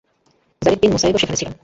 যারীদ bin মুসাইয়্যিবও সেখানে ছিল।